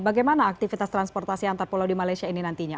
bagaimana aktivitas transportasi antar pulau di malaysia ini nantinya